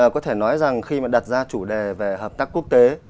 có thể nói rằng khi mà đặt ra chủ đề về hợp tác quốc tế